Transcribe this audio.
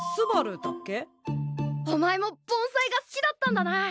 お前も盆栽が好きだったんだな！